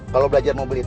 kalau belajar mobil itu